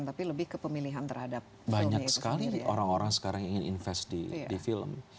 tapi lebih kepemilihan terhadap banyak sekali yang orang orang sekarang yang invest di di film